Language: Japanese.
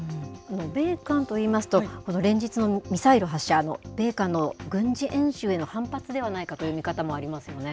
米韓といいますと、連日のミサイル発射、米韓の軍事演習への反発ではないかという見方もありますよね。